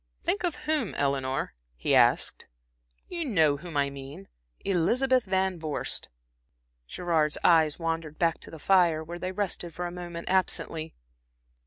"Think of whom, Eleanor?" he asked. "You know whom I mean Elizabeth Van Vorst." Gerard's eyes wandered back to the fire, where they rested for a moment absently.